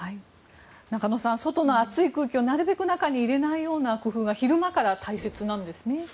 中野さん、外の暑い空気をなるべく中に入れないような工夫が昼間から大切なんですね。